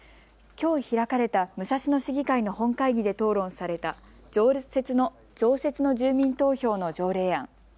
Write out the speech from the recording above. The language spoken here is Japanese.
きょう開かれた武蔵野市議会の本会議で討論された常設の住民投票の条例案。